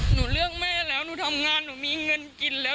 เรื่องแม่แล้วหนูทำงานหนูมีเงินกินแล้ว